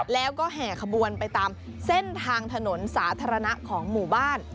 แล้วก็แห่ขบวนไปตามเส้นทางถนนสาธารณะของหมู่บ้าน